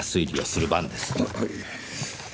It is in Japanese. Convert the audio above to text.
はい。